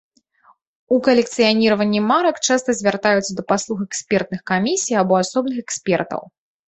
У калекцыяніраванні марак часта звяртаюцца да паслуг экспертных камісій або асобных экспертаў.